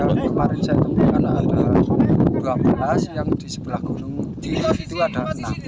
kemarin saya temukan ada dua belas yang di sebelah gunung itu ada enam